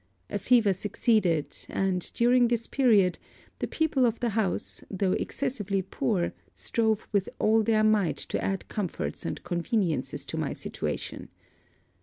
A fever succeeded; and, during this period, the people of the house, though excessively poor, strove with all their might to add comforts and conveniences to my situation.